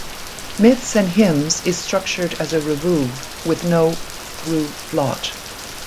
"Myths and Hymns" is structured as a revue, with no through plot.